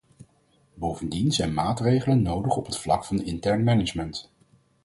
Bovendien zijn maatregelen nodig op het vlak van intern management.